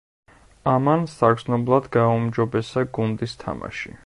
ამან საგრძნობლად გააუმჯობესა გუნდის თამაში.